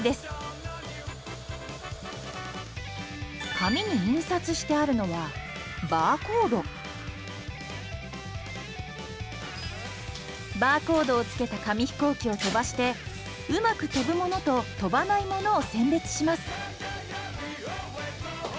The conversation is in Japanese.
紙に印刷してあるのはバーコードを付けた紙飛行機を飛ばしてうまく飛ぶものと飛ばないものを選別します。